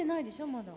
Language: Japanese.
まだ。